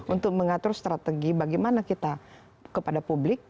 untuk mengatur strategi bagaimana kita kepada publik